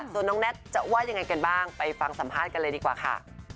ส่วนน้องแน็ตจะว่ายังไงกันบ้างไปฟังสัมภาษณ์กันเลยดีกว่าค่ะ